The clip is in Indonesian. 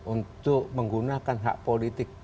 untuk menggunakan hak politik